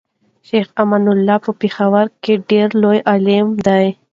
شيخ امين الله په پيښور کي ډير لوي عالم دی